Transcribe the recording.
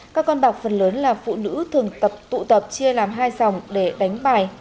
các con bạc phần lớn là phụ nữ thường tụ tập chia làm hai sòng để đánh bài